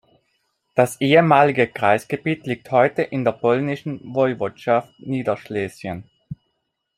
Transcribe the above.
Das ehemalige Kreisgebiet liegt heute in der polnischen Woiwodschaft Niederschlesien.